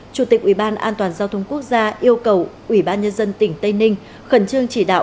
chủ tịch ủy ban an toàn giao thông quốc gia yêu cầu ủy ban nhân dân tỉnh tây ninh khẩn trương chỉ đạo